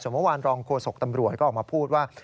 สมมุติว่าวานรองโคศกตำรวจก็ออกมาพูดว่า